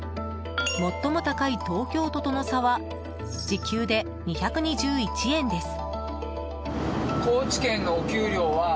最も高い東京都との差は時給で２２１円です。